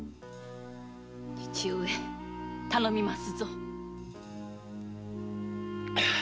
父上頼みますぞ。